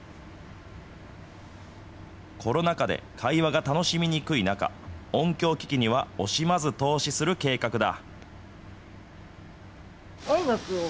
コロナ禍で会話が楽しみにくい中、音響機器には惜しまず投資する計画だ。